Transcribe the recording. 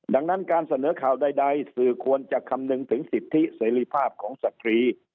ดังนั้นการเสนอข่าวใดสื่อควรจะคำนึงถึงสิทธิเสรีภาพของสตรี